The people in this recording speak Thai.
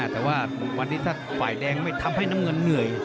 แต่ว่าวันนี้ถ้าฝ่ายแดงไม่ทำให้น้ำเงินเหนื่อย